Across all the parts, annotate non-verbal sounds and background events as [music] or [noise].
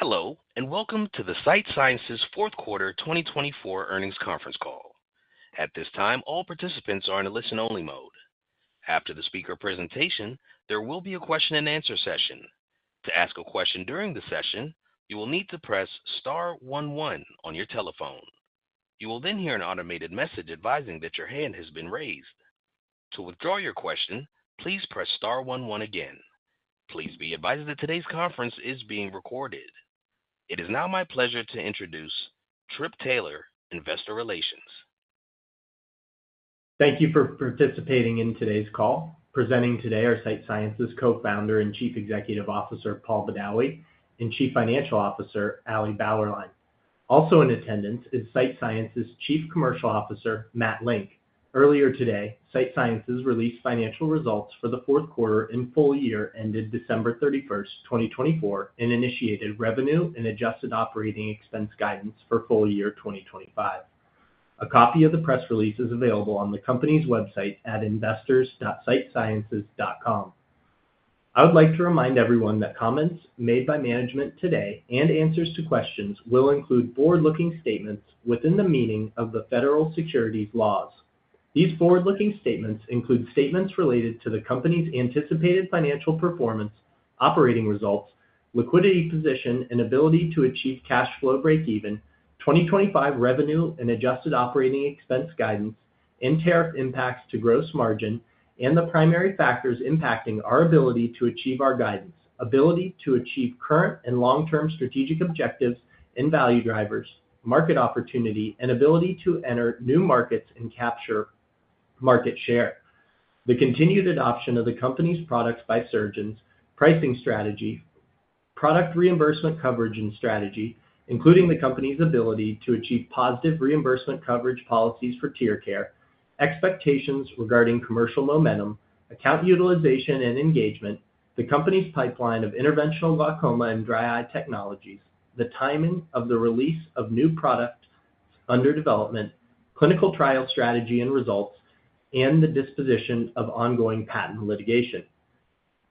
At this time, all participants are in a listen-only mode. After the speaker presentation, there will be a question-and-answer session. To ask a question during the session, you will need to press star one one on your telephone. You will then hear an automated message advising that your hand has been raised. To withdraw your question, please press star one one again. Please be advised that today's conference is being recorded. It is now my pleasure to introduce Trip Taylor, Investor Relations. Thank you for participating in today's call. Presenting today are Sight Sciences Co-Founder and Chief Executive Officer Paul Badawi and Chief Financial Officer Ali Bauerlein. Also in attendance is Sight Sciences Chief Commercial Officer Matt Link. Earlier today, Sight Sciences released financial results for the fourth quarter and full year ended December 31st, 2024, and initiated revenue and adjusted operating expense guidance for full year 2025. A copy of the press release is available on the company's website at investors.sightsciences.com. I would like to remind everyone that comments made by management today and answers to questions will include forward-looking statements within the meaning of the federal securities laws. These forward-looking statements include statements related to the company's anticipated financial performance, operating results, liquidity position, and ability to achieve cash flow breakeven, 2025 revenue and adjusted operating expense guidance, and tariff impacts to gross margin, and the primary factors impacting our ability to achieve our guidance, ability to achieve current and long-term strategic objectives and value drivers, market opportunity, and ability to enter new markets and capture market share, the continued adoption of the company's products by surgeons, pricing strategy, product reimbursement coverage and strategy, including the company's ability to achieve positive reimbursement coverage policies for TearCare, expectations regarding commercial momentum, account utilization and engagement, the company's pipeline of interventional glaucoma and dry eye technologies, the timing of the release of new products under development, clinical trial strategy and results, and the disposition of ongoing patent litigation.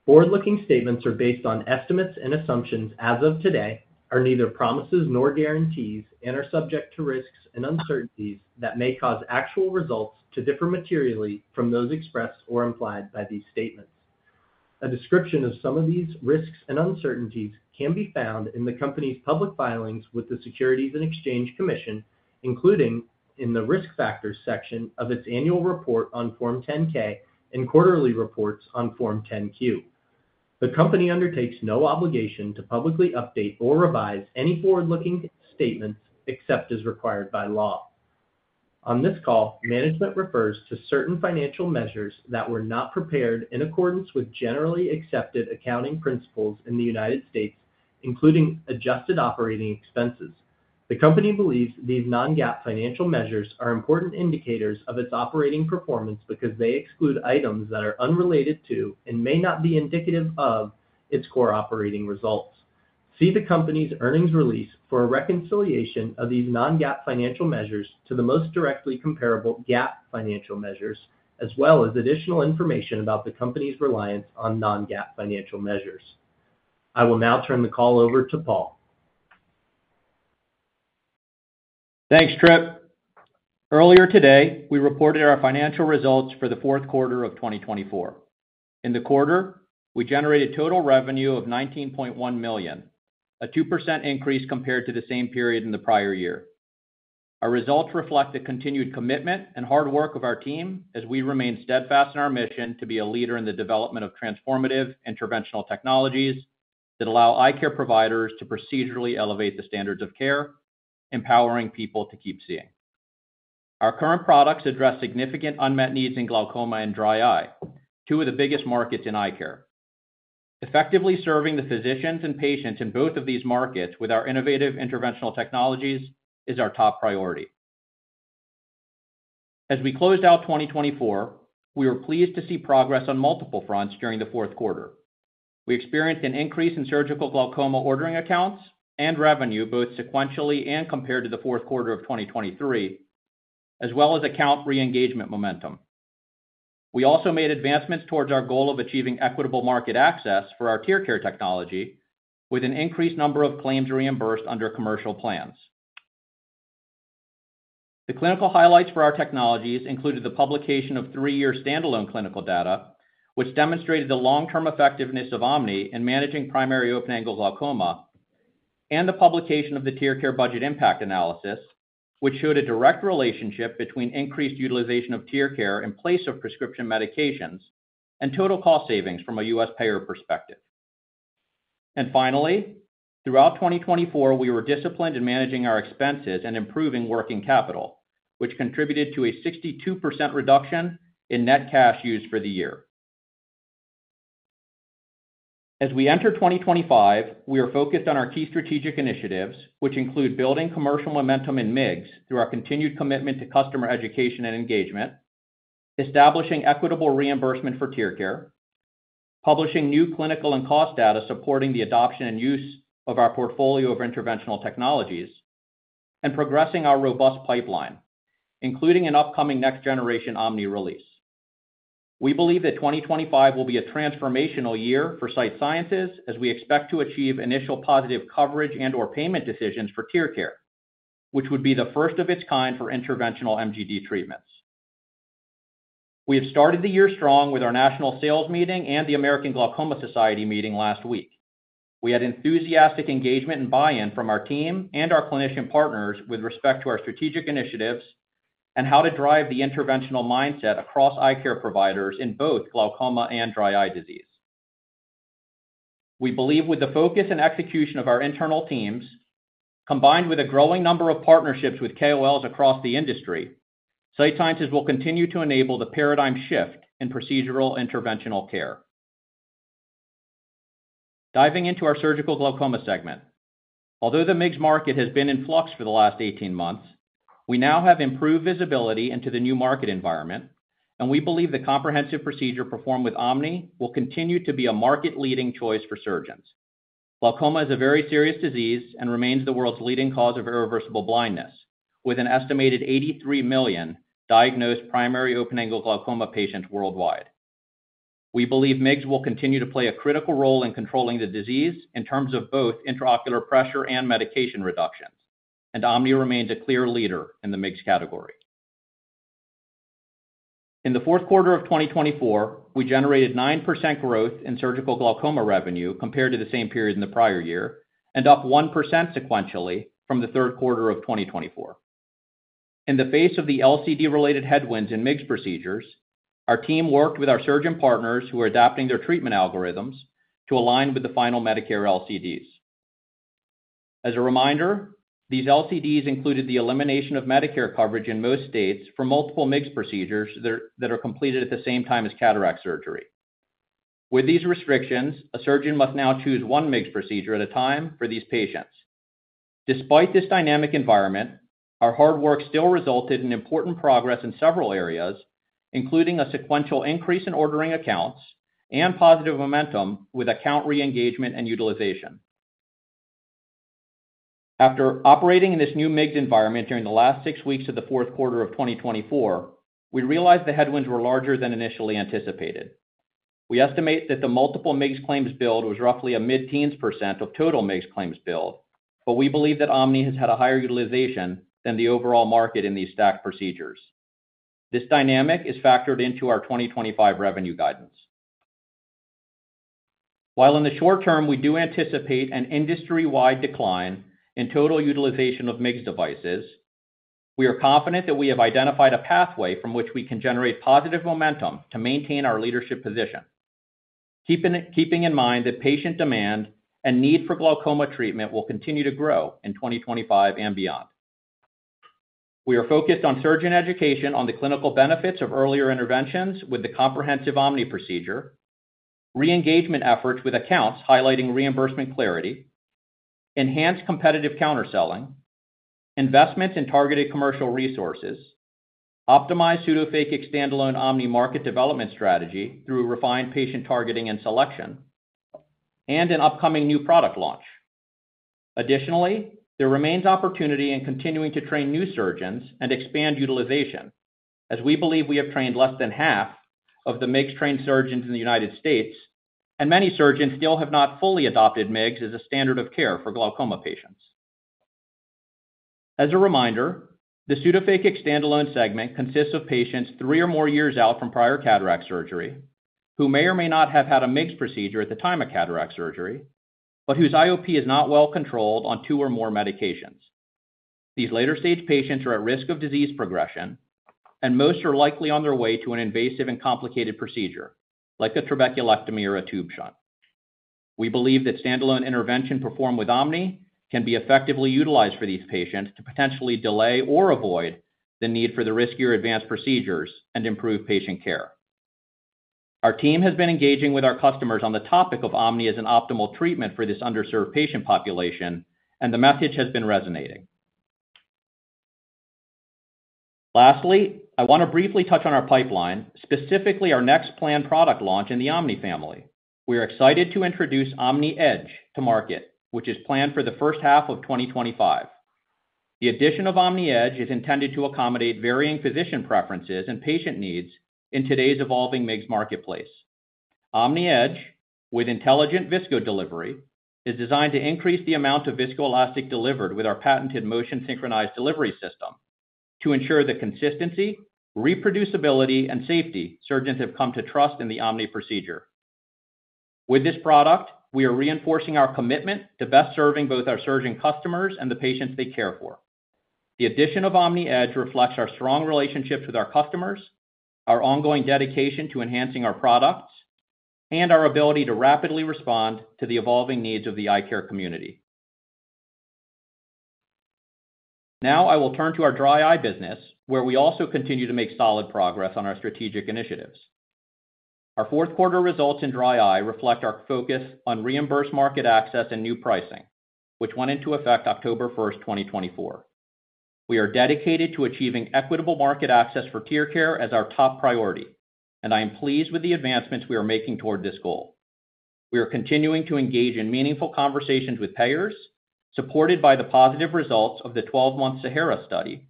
Forward-looking statements are based on estimates and assumptions as of today, are neither promises nor guarantees, and are subject to risks and uncertainties that may cause actual results to differ materially from those expressed or implied by these statements. A description of some of these risks and uncertainties can be found in the company's public filings with the Securities and Exchange Commission, including in the risk factors section of its annual report on Form 10-K and quarterly reports on Form 10-Q. The company undertakes no obligation to publicly update or revise any forward-looking statements except as required by law. On this call, management refers to certain financial measures that were not prepared in accordance with generally accepted accounting principles in the United States, including adjusted operating expenses. The company believes these non-GAAP financial measures are important indicators of its operating performance because they exclude items that are unrelated to and may not be indicative of its core operating results. See the company's earnings release for a reconciliation of these non-GAAP financial measures to the most directly comparable GAAP financial measures, as well as additional information about the company's reliance on non-GAAP financial measures. I will now turn the call over to Paul. Thanks, Trip. Earlier today, we reported our financial results for the fourth quarter of 2024. In the quarter, we generated total revenue of $19.1 million, a 2% increase compared to the same period in the prior year. Our results reflect the continued commitment and hard work of our team as we remain steadfast in our mission to be a leader in the development of transformative interventional technologies that allow eye care providers to procedurally elevate the standards of care, empowering people to keep seeing. Our current products address significant unmet needs in glaucoma and dry eye, two of the biggest markets in eye care. Effectively serving the physicians and patients in both of these markets with our innovative interventional technologies is our top priority. As we closed out 2024, we were pleased to see progress on multiple fronts during the fourth quarter. We experienced an increase in surgical glaucoma ordering accounts and revenue both sequentially and compared to the fourth quarter of 2023, as well as account re-engagement momentum. We also made advancements towards our goal of achieving equitable market access for our TearCare technology with an increased number of claims reimbursed under commercial plans. The clinical highlights for our technologies included the publication of three-year standalone clinical data, which demonstrated the long-term effectiveness of OMNI in managing primary open-angle glaucoma, and the publication of the TearCare budget impact analysis, which showed a direct relationship between increased utilization of TearCare in place of prescription medications and total cost savings from a U.S. payer perspective. Finally, throughout 2024, we were disciplined in managing our expenses and improving working capital, which contributed to a 62% reduction in net cash used for the year. As we enter 2025, we are focused on our key strategic initiatives, which include building commercial momentum in MIGS through our continued commitment to customer education and engagement, establishing equitable reimbursement for TearCare, publishing new clinical and cost data supporting the adoption and use of our portfolio of interventional technologies, and progressing our robust pipeline, including an upcoming next-generation OMNI release. We believe that 2025 will be a transformational year for Sight Sciences as we expect to achieve initial positive coverage and/or payment decisions for TearCare, which would be the first of its kind for interventional MGD treatments. We have started the year strong with our national sales meeting and the American Glaucoma Society meeting last week. We had enthusiastic engagement and buy-in from our team and our clinician partners with respect to our strategic initiatives and how to drive the interventional mindset across eye care providers in both glaucoma and dry eye disease. We believe with the focus and execution of our internal teams, combined with a growing number of partnerships with KOLs across the industry, Sight Sciences will continue to enable the paradigm shift in procedural interventional care. Diving into our Surgical Glaucoma segment, although the MIGS market has been in flux for the last 18 months, we now have improved visibility into the new market environment, and we believe the comprehensive procedure performed with OMNI will continue to be a market-leading choice for surgeons. Glaucoma is a very serious disease and remains the world's leading cause of irreversible blindness, with an estimated 83 million diagnosed primary open-angle glaucoma patients worldwide. We believe MIGS will continue to play a critical role in controlling the disease in terms of both intraocular pressure and medication reductions, and OMNI remains a clear leader in the MIGS category. In the fourth quarter of 2024, we generated 9% growth in surgical glaucoma revenue compared to the same period in the prior year and up 1% sequentially from the third quarter of 2024. In the face of the LCD-related headwinds in MIGS procedures, our team worked with our surgeon partners who are adapting their treatment algorithms to align with the final Medicare LCDs. As a reminder, these LCDs included the elimination of Medicare coverage in most states for multiple MIGS procedures that are completed at the same time as cataract surgery. With these restrictions, a surgeon must now choose one MIGS procedure at a time for these patients. Despite this dynamic environment, our hard work still resulted in important progress in several areas, including a sequential increase in ordering accounts and positive momentum with account re-engagement and utilization. After operating in this new MIGS environment during the last six weeks of the fourth quarter of 2024, we realized the headwinds were larger than initially anticipated. We estimate that the multiple MIGS claims billed was roughly a mid-teens % of total MIGS claims billed, but we believe that OMNI has had a higher utilization than the overall market in these stacked procedures. This dynamic is factored into our 2025 revenue guidance. While in the short term we do anticipate an industry-wide decline in total utilization of MIGS devices, we are confident that we have identified a pathway from which we can generate positive momentum to maintain our leadership position, keeping in mind that patient demand and need for glaucoma treatment will continue to grow in 2025 and beyond. We are focused on surgeon education on the clinical benefits of earlier interventions with the comprehensive OMNI procedure, re-engagement efforts with accounts highlighting reimbursement clarity, enhanced competitive counterselling, investments in targeted commercial resources, optimized pseudophakic standalone OMNI market development strategy through refined patient targeting and selection, and an upcoming new product launch. Additionally, there remains opportunity in continuing to train new surgeons and expand utilization, as we believe we have trained less than half of the MIGS-trained surgeons in the United States, and many surgeons still have not fully adopted MIGS as a standard of care for glaucoma patients. As a reminder, the pseudophakic standalone segment consists of patients three or more years out from prior cataract surgery who may or may not have had a MIGS procedure at the time of cataract surgery, but whose IOP is not well controlled on two or more medications. These later-stage patients are at risk of disease progression, and most are likely on their way to an invasive and complicated procedure, like a trabeculectomy or a tube shunt. We believe that standalone intervention performed with OMNI can be effectively utilized for these patients to potentially delay or avoid the need for the riskier advanced procedures and improve patient care. Our team has been engaging with our customers on the topic of OMNI as an optimal treatment for this underserved patient population, and the message has been resonating. Lastly, I want to briefly touch on our pipeline, specifically our next planned product launch in the OMNI family. We are excited to introduce OMNI Edge to market, which is planned for the first half of 2025. The addition of OMNI Edge is intended to accommodate varying physician preferences and patient needs in today's evolving MIGS marketplace. OMNI Edge, with intelligent viscodelivery, is designed to increase the amount of viscoelastic delivered with our patented motion-synchronized delivery system to ensure the consistency, reproducibility, and safety surgeons have come to trust in the OMNI procedure. With this product, we are reinforcing our commitment to best serving both our surgeon customers and the patients they care for. The addition of OMNI Edge reflects our strong relationships with our customers, our ongoing dedication to enhancing our products, and our ability to rapidly respond to the evolving needs of the eye care community. Now I will turn to our dry eye business, where we also continue to make solid progress on our strategic initiatives. Our fourth quarter results in dry eye reflect our focus on reimbursed market access and new pricing, which went into effect October 1st, 2024. We are dedicated to achieving equitable market access for TearCare as our top priority, and I am pleased with the advancements we are making toward this goal. We are continuing to engage in meaningful conversations with payers, supported by the positive results of the 12-month SAHARA study,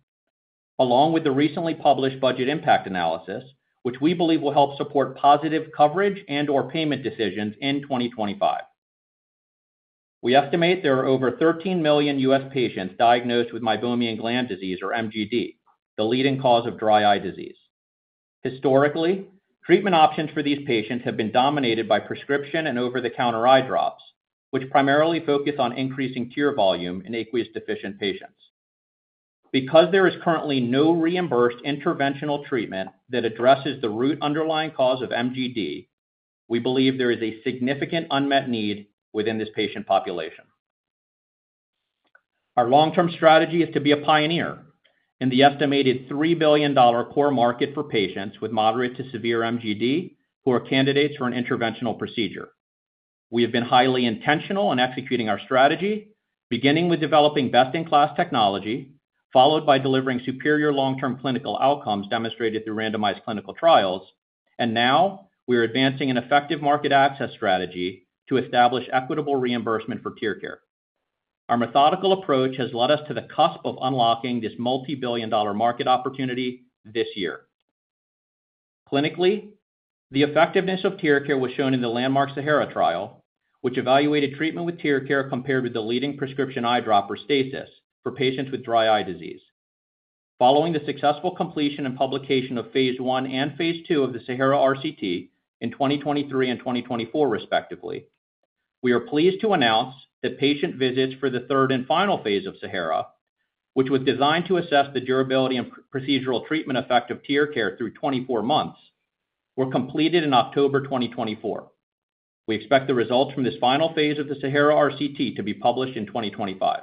along with the recently published budget impact analysis, which we believe will help support positive coverage and/or payment decisions in 2025. We estimate there are over 13 million U.S. patients diagnosed with meibomian gland disease, or MGD, the leading cause of dry eye disease. Historically, treatment options for these patients have been dominated by prescription and over-the-counter eye drops, which primarily focus on increasing tear volume in aqueous deficient patients. Because there is currently no reimbursed interventional treatment that addresses the root underlying cause of MGD, we believe there is a significant unmet need within this patient population. Our long-term strategy is to be a pioneer in the estimated $3 billion core market for patients with moderate to severe MGD who are candidates for an interventional procedure. We have been highly intentional in executing our strategy, beginning with developing best-in-class technology, followed by delivering superior long-term clinical outcomes demonstrated through randomized clinical trials, and now we are advancing an effective market access strategy to establish equitable reimbursement for TearCare. Our methodical approach has led us to the cusp of unlocking this multi-billion dollar market opportunity this year. Clinically, the effectiveness of TearCare was shown in the landmark SAHARA trial, which evaluated treatment with TearCare compared with the leading prescription eye drop, Restasis, for patients with dry eye disease. Following the successful completion and publication of phase one and phase two of the SAHARA RCT in 2023 and 2024, respectively, we are pleased to announce that patient visits for the third and final phase of SAHARA, which was designed to assess the durability and procedural treatment effect of TearCare through 24 months, were completed in October 2024. We expect the results from this final phase of the SAHARA RCT to be published in 2025.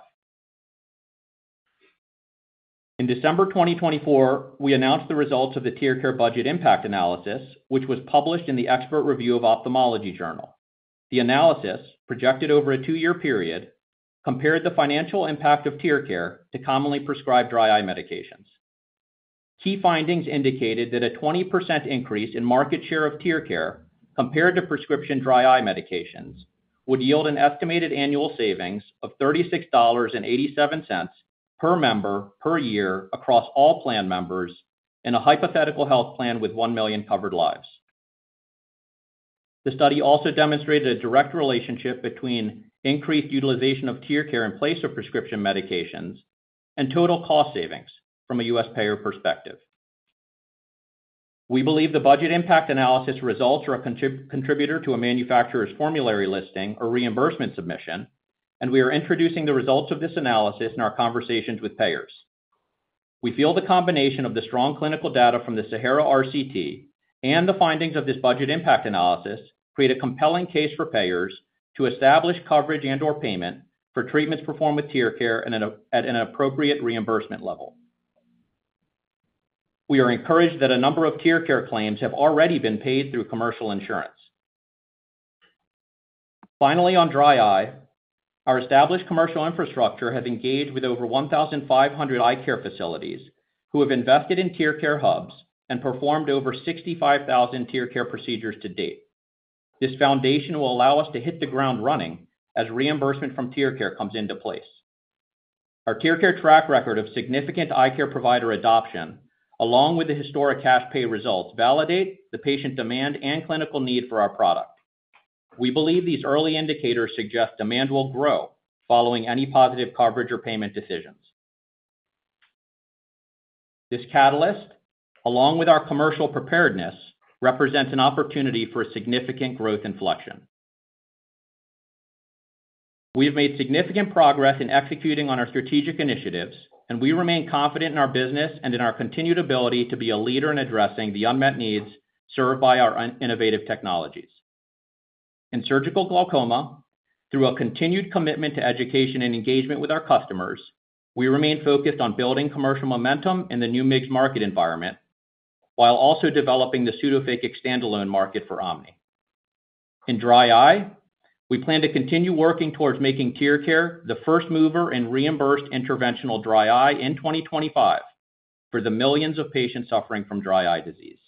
In December 2024, we announced the results of the TearCare budget impact analysis, which was published in the Expert Review of Ophthalmology journal. The analysis, projected over a two-year period, compared the financial impact of TearCare to commonly prescribed dry eye medications. Key findings indicated that a 20% increase in market share of TearCare compared to prescription dry eye medications would yield an estimated annual savings of $36.87 per member per year across all plan members in a hypothetical health plan with 1 million covered lives. The study also demonstrated a direct relationship between increased utilization of TearCare in place of prescription medications and total cost savings from a U.S. payer perspective. We believe the budget impact analysis results are a contributor to a manufacturer's formulary listing or reimbursement submission, and we are introducing the results of this analysis in our conversations with payers. We feel the combination of the strong clinical data from the SAHARA RCT and the findings of this budget impact analysis create a compelling case for payers to establish coverage and/or payment for treatments performed with TearCare at an appropriate reimbursement level. We are encouraged that a number of TearCare claims have already been paid through commercial insurance. Finally, on dry eye, our established commercial infrastructure has engaged with over 1,500 eye care facilities who have invested in TearCare hubs and performed over 65,000 TearCare procedures to date. This foundation will allow us to hit the ground running as reimbursement from TearCare comes into place. Our TearCare track record of significant eye care provider adoption, along with the historic cash pay results, validates the patient demand and clinical need for our product. We believe these early indicators suggest demand will grow following any positive coverage or payment decisions. This catalyst, along with our commercial preparedness, represents an opportunity for significant growth inflection. We have made significant progress in executing on our strategic initiatives, and we remain confident in our business and in our continued ability to be a leader in addressing the unmet needs served by our innovative technologies. In surgical glaucoma, through a continued commitment to education and engagement with our customers, we remain focused on building commercial momentum in the new MIGS market environment while also developing the pseudophakic standalone market for OMNI. In dry eye, we plan to continue working towards making TearCare the first mover in reimbursed interventional dry eye in 2025 for the millions of patients suffering from dry eye disease.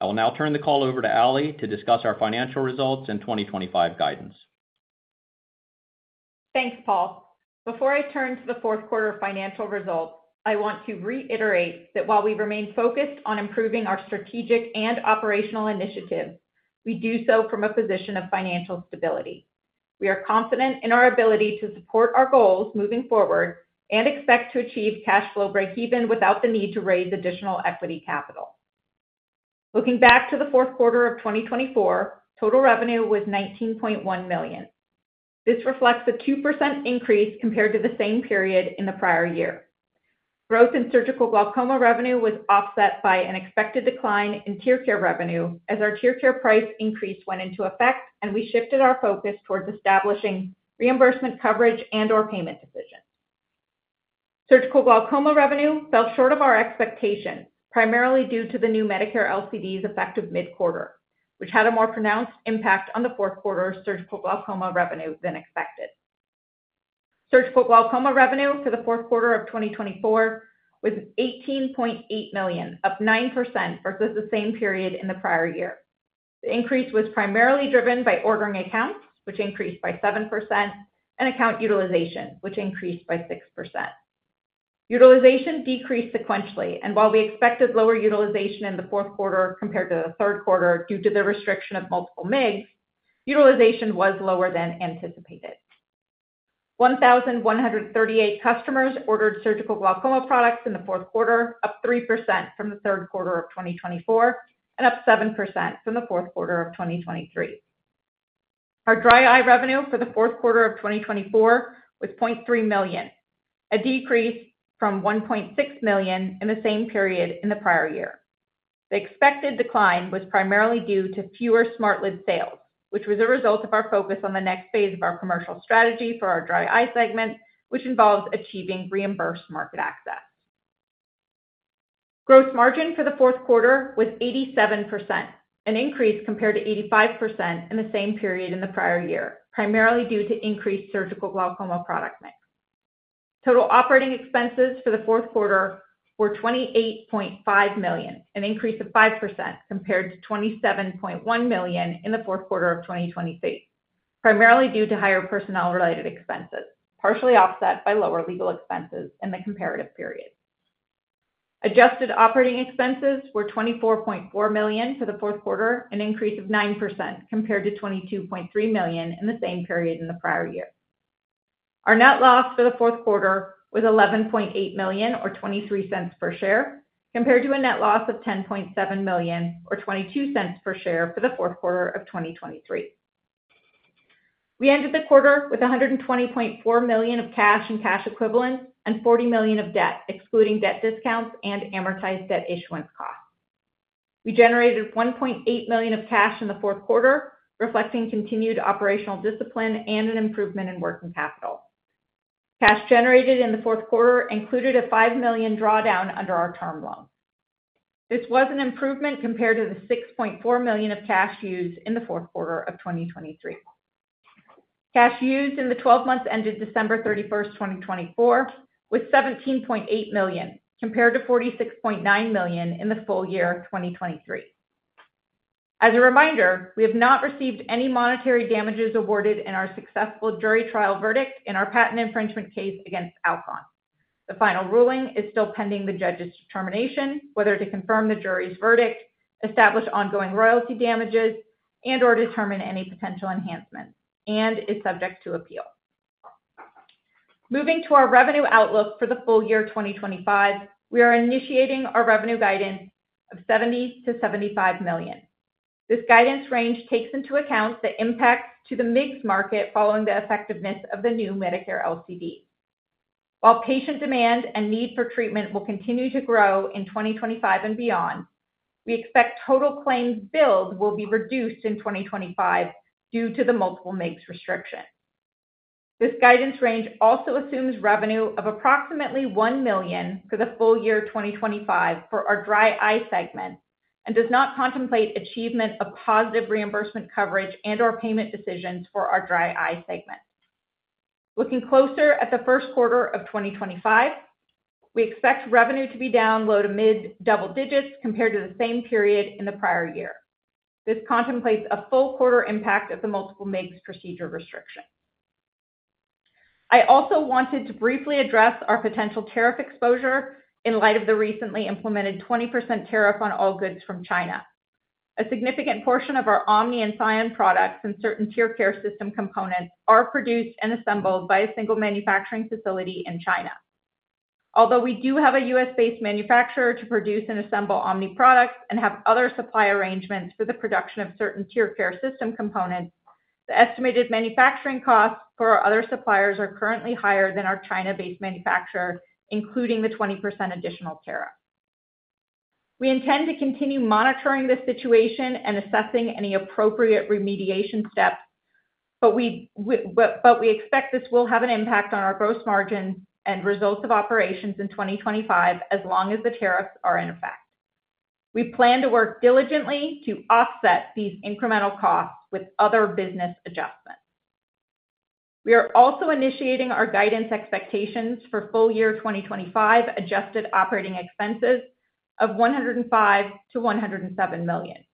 I will now turn the call over to Ali to discuss our financial results and 2025 guidance. Thanks, Paul. Before I turn to the fourth quarter financial results, I want to reiterate that while we remain focused on improving our strategic and operational initiatives, we do so from a position of financial stability. We are confident in our ability to support our goals moving forward and expect to achieve cash flow break-even without the need to raise additional equity capital. Looking back to the fourth quarter of 2024, total revenue was $19.1 million. This reflects a 2% increase compared to the same period in the prior year. Growth in surgical glaucoma revenue was offset by an expected decline in TearCare revenue as our TearCare price increase went into effect, and we shifted our focus towards establishing reimbursement coverage and or payment decisions. Surgical glaucoma revenue fell short of our expectations, primarily due to the new Medicare LCDs effective mid-quarter, which had a more pronounced impact on the fourth quarter surgical glaucoma revenue than expected. Surgical glaucoma revenue for the fourth quarter of 2024 was $18.8 million, up 9% versus the same period in the prior year. The increase was primarily driven by ordering accounts, which increased by 7%, and account utilization, which increased by 6%. Utilization decreased sequentially, and while we expected lower utilization in the fourth quarter compared to the third quarter due to the restriction of multiple MIGS, utilization was lower anticipated. One thousand one hundred thirty-eight customers ordered surgical glaucoma products in the fourth quarter, up 3% from the third quarter of 2024 and up 7% from the fourth quarter of 2023. Our dry eye revenue for the fourth quarter of 2024 was $0.3 million, a decrease from $1.6 million in the same period in the prior year. The expected decline was primarily due to fewer SmartLids sales, which was a result of our focus on the next phase of our commercial strategy for our Dry Eye segment, which involves achieving reimbursed market access. Gross margin for the fourth quarter was 87%, an increase compared to 85% in the same period in the prior year, primarily due to increased surgical glaucoma product mix. Total operating expenses for the fourth quarter were $28.5 million, an increase of 5% compared to $27.1 million in the fourth quarter of 2023, primarily due to higher personnel-related expenses, partially offset by lower legal expenses in the comparative period. Adjusted operating expenses were $24.4 million for the fourth quarter, an increase of 9% compared to $22.3 million in the same period in the prior year. Our net loss for the fourth quarter was $11.8 million, or $0.23 per share, compared to a net loss of $10.7 million, or $0.22 per share for the fourth quarter of 2023. We ended the quarter with $120.4 million of cash and cash equivalents and $40 million of debt, excluding debt discounts and amortized debt issuance costs. We generated $1.8 million of cash in the fourth quarter, reflecting continued operational discipline and an improvement in working capital. Cash generated in the fourth quarter included a $5 million drawdown under our term loan. This was an improvement compared to the $6.4 million of cash used in the fourth quarter of 2023. Cash used in the 12 months ended December 31st, 2024, was $17.8 million, compared to $46.9 million in the full year 2023. As a reminder, we have not received any monetary damages awarded in our successful jury trial verdict in our patent infringement case against Alcon. The final ruling is still pending the judge's determination whether to confirm the jury's verdict, establish ongoing royalty damages, and/or determine any potential enhancements, and is subject to appeal. Moving to our revenue outlook for the full year 2025, we are initiating our revenue guidance of $70 million-$75 million. This guidance range takes into account the impacts to the MIGS market following the effectiveness of the new Medicare LCD. While patient demand and need for treatment will continue to grow in 2025 and beyond, we expect total claims billed will be reduced in 2025 due to the multiple MIGS restrictions. This guidance range also assumes revenue of approximately $1 million for the full year 2025 for our Dry Eye segment and does not contemplate achievement of positive reimbursement coverage and/or payment decisions for our Dry Eye segment. Looking closer at the first quarter of 2025, we expect revenue to be down low to mid double digits compared to the same period in the prior year. This contemplates a full quarter impact of the multiple MIGS procedure restrictions. I also wanted to briefly address our potential tariff exposure in light of the recently implemented 20% tariff on all goods from China. A significant portion of our OMNI and SION products and certain TearCare System components are produced and assembled by a single manufacturing facility in China. Although we do have a U.S.-based manufacturer to produce and assemble OMNI products and have other supply arrangements for the production of certain TearCare System components, the estimated manufacturing costs for our other suppliers are currently higher than our China-based manufacturer, including the 20% additional tariff. We intend to continue monitoring the situation and assessing any appropriate remediation steps, but we expect this will have an impact on our gross margins and results of operations in 2025 as long as the tariffs are in effect. We plan to work diligently to offset these incremental costs with other business adjustments. We are also initiating our guidance expectations for full year 2025 adjusted operating expenses of $105 million-$107 million,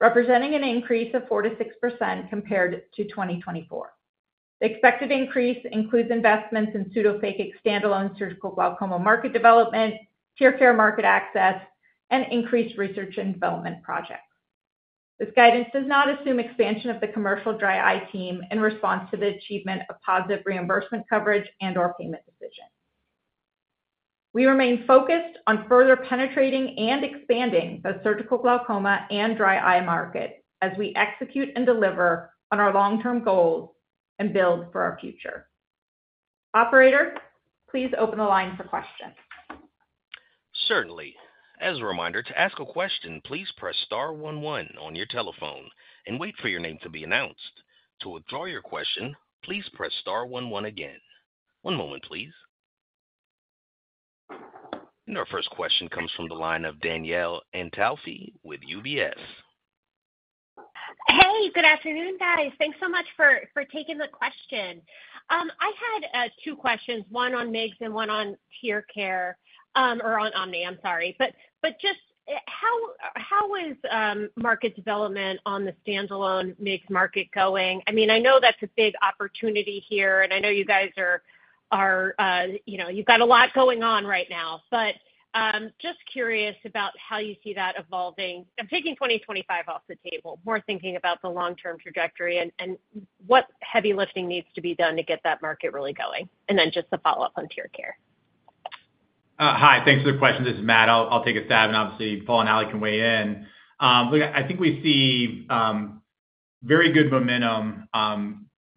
representing an increase of 4%-6% compared to 2024. The expected increase includes investments in pseudophakic standalone surgical glaucoma market development, TearCare market access, and increased research and development projects. This guidance does not assume expansion of the commercial dry eye team in response to the achievement of positive reimbursement coverage and/or payment decisions. We remain focused on further penetrating and expanding the surgical glaucoma and dry eye market as we execute and deliver on our long-term goals and build for our future. Operator, please open the line for questions. Certainly. As a reminder, to ask a question, please press star one one on your telephone and wait for your name to be announced. To withdraw your question, please press star one one again. One moment, please. Our first question comes from the line of Danielle Antalffy with UBS. Hey, good afternoon, guys. Thanks so much for taking the question. I had two questions, one on MIGS and one on TearCare or on OMNI, I'm sorry. Just how is market development on the standalone MIGS market going? I mean, I know that's a big opportunity here, and I know you guys are, you know, you've got a lot going on right now. Just curious about how you see that evolving. I'm taking 2025 off the table, more thinking about the long-term trajectory and what heavy lifting needs to be done to get that market really going. Just the follow-up on TearCare. Hi, thanks for the question. This is Matt. I'll take a stab, and obviously, Paul and Ali can weigh in. I think we see very good momentum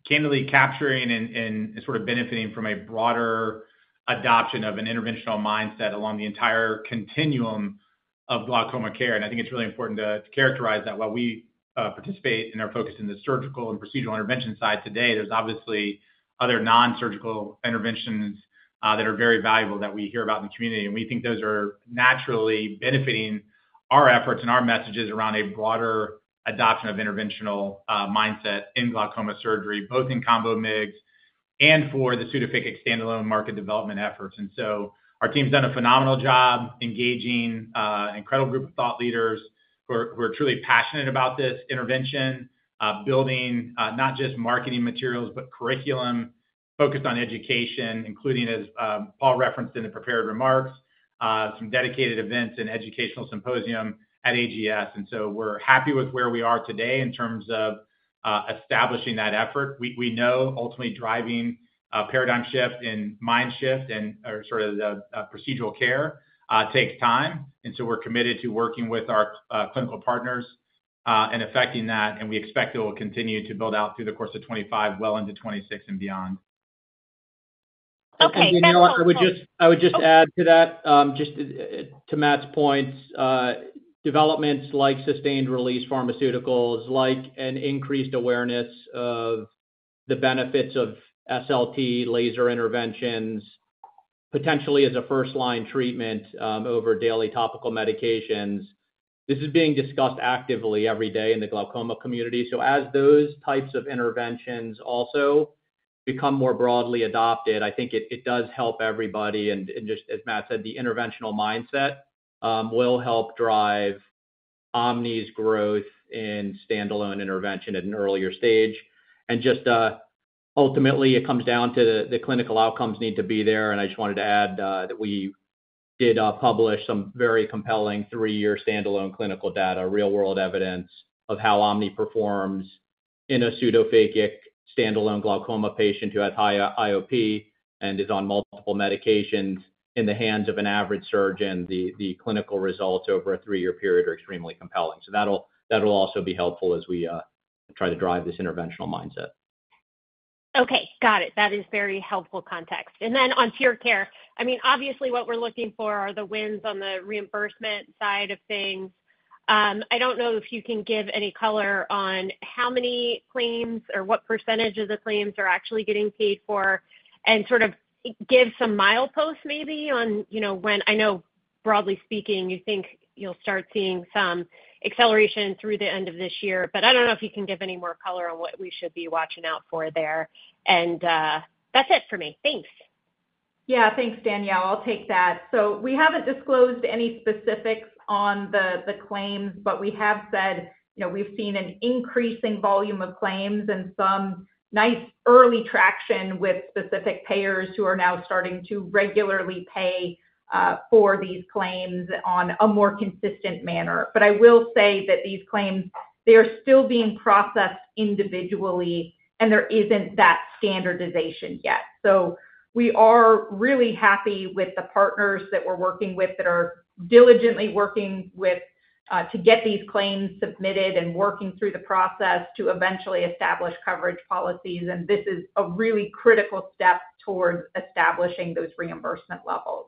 candidly capturing and sort of benefiting from a broader adoption of an interventional mindset along the entire continuum of glaucoma care. I think it's really important to characterize that while we participate and are focused in the surgical and procedural intervention side today, there's obviously other non-surgical interventions that are very valuable that we hear about in the community. We think those are naturally benefiting our efforts and our messages around a broader adoption of interventional mindset in glaucoma surgery, both in combo MIGS and for the pseudophakic standalone market development efforts. Our team's done a phenomenal job engaging an incredible group of thought leaders who are truly passionate about this intervention, building not just marketing materials, but curriculum focused on education, including, as Paul referenced in the prepared remarks, some dedicated events and educational symposium at AGS. We are happy with where we are today in terms of establishing that effort. We know ultimately driving a paradigm shift in mind shift and sort of the procedural care takes time. We are committed to working with our clinical partners and affecting that. We expect it will continue to build out through the course of 2025, well into 2026 and beyond. Okay. I would just add to that, just to Matt's point, developments like sustained-release pharmaceuticals, like an increased awareness of the benefits of SLT laser interventions, potentially as a first-line treatment over daily topical medications. This is being discussed actively every day in the glaucoma community. As those types of interventions also become more broadly adopted, I think it does help everybody. Just as Matt said, the interventional mindset will help drive OMNI's growth in standalone intervention at an earlier stage. Ultimately, it comes down to the clinical outcomes need to be there. I just wanted to add that we did publish some very compelling three-year standalone clinical data, real-world evidence of how OMNI performs in a pseudophakic standalone glaucoma patient who has high IOP and is on multiple medications in the hands of an average surgeon. The clinical results over a three-year period are extremely compelling. That will also be helpful as we try to drive this interventional mindset. Okay. Got it. That is very helpful context. Then on TearCare, I mean, obviously what we're looking for are the wins on the reimbursement side of things. I do not know if you can give any color on how many claims or what percentage of the claims are actually getting paid for and sort of give some mileposts maybe on when I know broadly speaking, you think you'll start seeing some acceleration through the end of this year. But I don't know if you can give any more color on what we should be watching out for there. That's it for me. Thanks. Yeah. Thanks, Danielle. I'll take that. We haven't disclosed any specifics on the claims, but we have said we've seen an increasing volume of claims and some nice early traction with specific payers who are now starting to regularly pay for these claims on a more consistent manner. I will say that these claims, they are still being processed individually, and there isn't that standardization yet. We are really happy with the partners that we're working with that are diligently working to get these claims submitted and working through the process to eventually establish coverage policies. This is a really critical step towards establishing those reimbursement levels.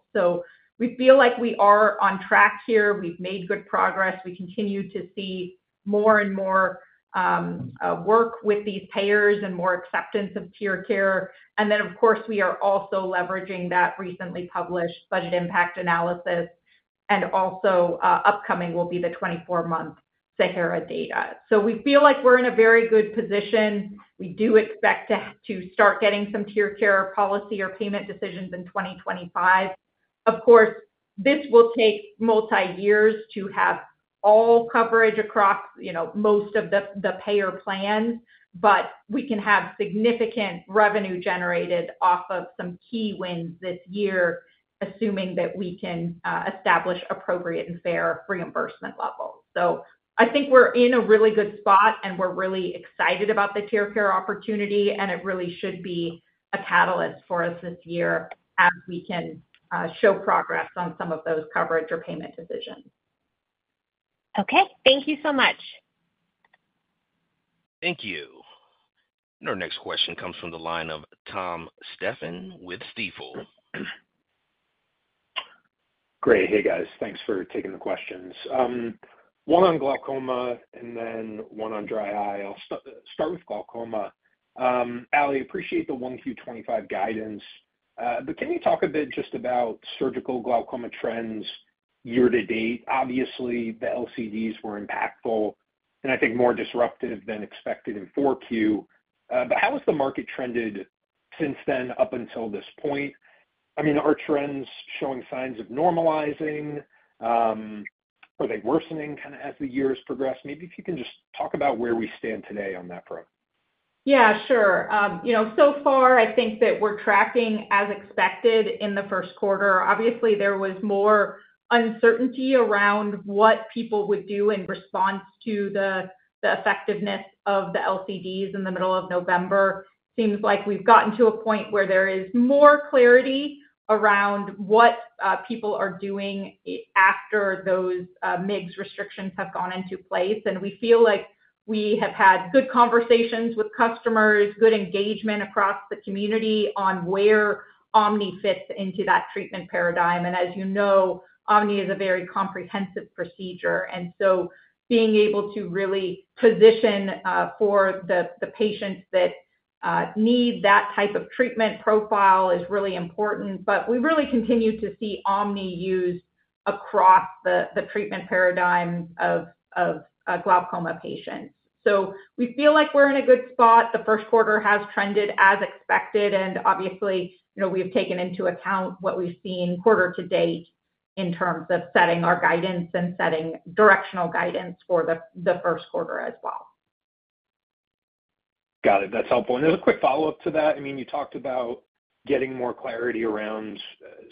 We feel like we are on track here. We've made good progress. We continue to see more and more work with these payers and more acceptance of TearCare. We are also leveraging that recently published budget impact analysis. Upcoming will be the 24-month SAHARA data. We feel like we're in a very good position. We do expect to start getting some TearCare policy or payment decisions in 2025. This will take multi-years to have all coverage across most of the payer plans, but we can have significant revenue generated off of some key wins this year, assuming that we can establish appropriate and fair reimbursement levels. I think we're in a really good spot, and we're really excited about the TearCare opportunity, and it really should be a catalyst for us this year as we can show progress on some of those coverage or payment decisions. Okay. Thank you so much. Thank you. Our next question comes from the line of Tom Stephan with Stifel. Great. Hey, guys. Thanks for taking the questions. One on glaucoma and then one on dry eye. I'll start with glaucoma. Ali, I appreciate the 1Q 2025 guidance. Can you talk a bit just about surgical glaucoma trends year to date? Obviously, the LCDs were impactful, and I think more disruptive than expected in 4Q. How has the market trended since then up until this point? I mean, are trends showing signs of normalizing? Are they worsening kind of as the years progress? Maybe if you can just talk about where we stand today on that front. Yeah, sure. So far, I think that we're tracking as expected in the first quarter. Obviously, there was more uncertainty around what people would do in response to the effectiveness of the LCDs in the middle of November. It seems like we've gotten to a point where there is more clarity around what people are doing after those MIGS restrictions have gone into place. We feel like we have had good conversations with customers, good engagement across the community on where OMNI fits into that treatment paradigm. As you know, OMNI is a very comprehensive procedure. Being able to really position for the patients that need that type of treatment profile is really important. We really continue to see OMNI used across the treatment paradigm of glaucoma patients. We feel like we're in a good spot. The first quarter has trended as expected. Obviously, we've taken into account what we've seen quarter to date in terms of setting our guidance and setting directional guidance for the first quarter as well. Got it. That's helpful. As a quick follow-up to that, I mean, you talked about getting more clarity around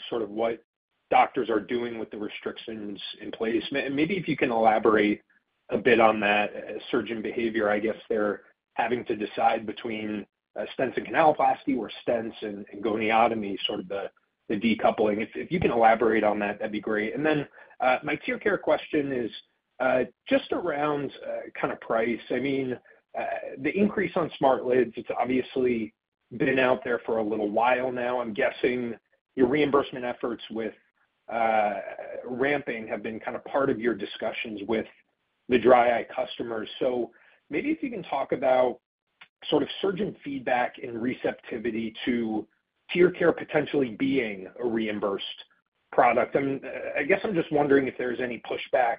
sort of what doctors are doing with the restrictions in place. Maybe if you can elaborate a bit on that surgeon behavior, I guess they're having to decide between stents and canaloplasty or stents and goniotomy, sort of the decoupling. If you can elaborate on that, that'd be great. My TearCare question is just around kind of price. I mean, the increase on SmartLids, it's obviously been out there for a little while now. I'm guessing your reimbursement efforts with ramping have been kind of part of your discussions with the dry eye customers. Maybe if you can talk about sort of surgeon feedback and receptivity to TearCare potentially being a reimbursed product. I guess I'm just wondering if there's any pushback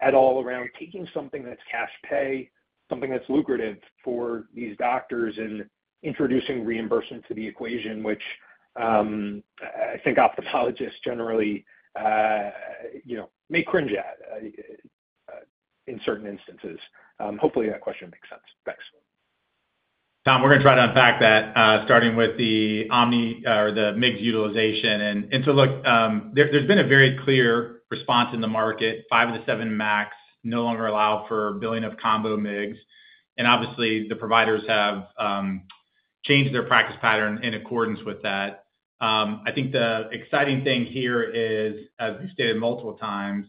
at all around taking something that's cash pay, something that's lucrative for these doctors and introducing reimbursement to the equation, which I think ophthalmologists generally may cringe at in certain instances. Hopefully, that question makes sense. Thanks. Tom, we're going to try to unpack that, starting with the OMNI or the MIGS utilization. Look, there's been a very clear response in the market. Five of the seven MACs no longer allow for billing of combo MIGS. Obviously, the providers have changed their practice pattern in accordance with that. I think the exciting thing here is, as we've stated multiple times,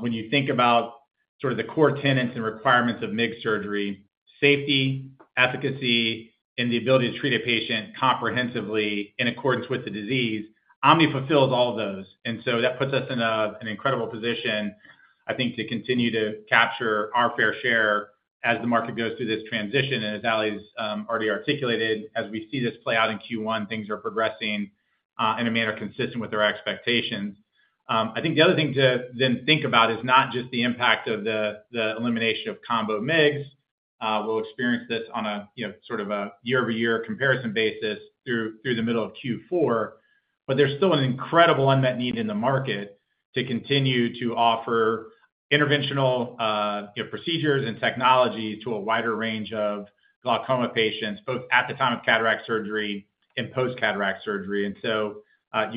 when you think about sort of the core tenets and requirements of MIGS surgery, safety, efficacy, and the ability to treat a patient comprehensively in accordance with the disease, OMNI fulfills all of those. That puts us in an incredible position, I think, to continue to capture our fair share as the market goes through this transition. As Ali's already articulated, as we see this play out in Q1, things are progressing in a manner consistent with our expectations. I think the other thing to then think about is not just the impact of the elimination of combo MIGS. We'll experience this on a sort of a year-over-year comparison basis through the middle of Q4. There is still an incredible unmet need in the market to continue to offer interventional procedures and technology to a wider range of glaucoma patients, both at the time of cataract surgery and post-cataract surgery. You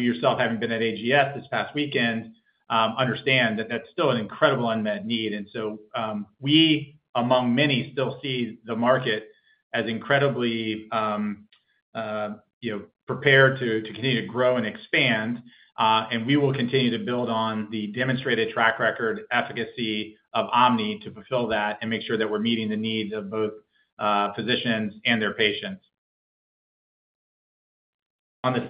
yourself, having been at AGS this past weekend, understand that is still an incredible unmet need. We, among many, still see the market as incredibly prepared to continue to grow and expand. We will continue to build on the demonstrated track record efficacy of OMNI to fulfill that and make sure that we are meeting the needs of both physicians and their patients. On the